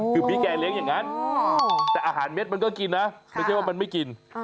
คือพี่แกเลี้ยงอย่างนั้นแต่อาหารเม็ดมันก็กินนะไม่ใช่ว่ามันไม่กิน